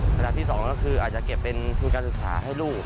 ประมาณที่สองก็คืออาจจะเก็บเป็นคุณการศึกษาให้ลูก